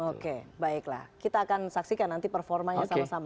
oke baiklah kita akan saksikan nanti performanya sama sama